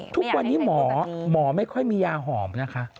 ทุกวันนี้หมอหมอไม่ค่อยมียาหอมนะคะ